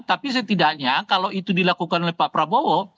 tapi setidaknya kalau itu dilakukan oleh pak prabowo